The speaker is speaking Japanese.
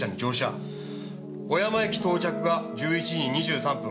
小山駅到着が１１時２３分。